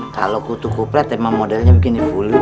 kalau kutu kupret emang modelnya begini full lus